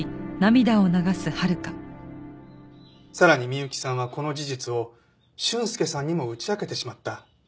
さらに美幸さんはこの事実を俊介さんにも打ち明けてしまった。